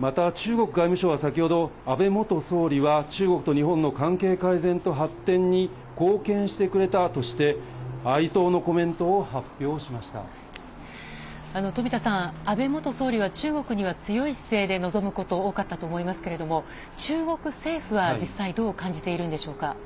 また中国外務省は先ほど、安倍元総理は中国と日本の関係改善と発展に貢献してくれたとして、富田さん、安倍元総理は中国には強い姿勢で臨むこと多かったと思いますけれども、中国政府は実際、どう感じているんでしょうか。